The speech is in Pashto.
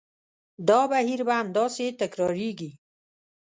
دا بهیر به همداسې تکرارېږي.